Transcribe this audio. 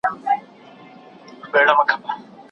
اورېدل د تفریح په وخت کي تر لیکلو اسانه وي.